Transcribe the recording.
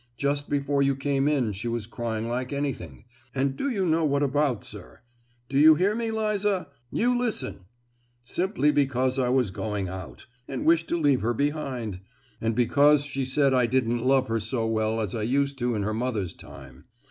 Just before you came in she was crying like anything; and do you know what about, sir? Do you hear me, Liza?—You listen!—Simply because I was going out, and wished to leave her behind, and because she said I didn't love her so well as I used to in her mother's time.